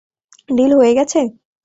Deal হয়ে গেছে?